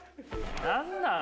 何なん？